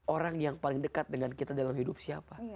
orang yang paling dekat dengan kita dalam hidup siapa